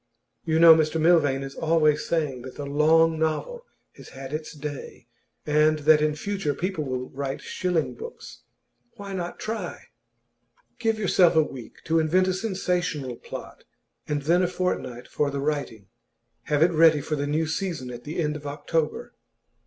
You know Mr Milvain is always saying that the long novel has had its day, and that in future people will write shilling books. Why not try? Give yourself a week to invent a sensational plot, and then a fortnight for the writing. Have it ready for the new season at the end of October.